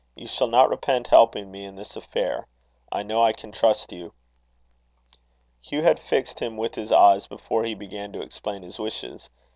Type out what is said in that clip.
You shall not repent helping me in this affair. I know I can trust you." Hugh had fixed him with his eyes, before he began to explain his wishes.